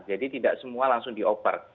jadi tidak semua langsung dioper